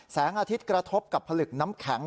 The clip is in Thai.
แสงอาทิตย์กระทบกับผลึกน้ำแข็ง